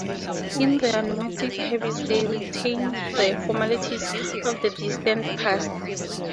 In their nomadic habits they retain the formalities of the distant past.